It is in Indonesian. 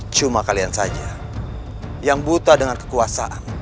cuma kalian saja yang buta dengan kekuasaan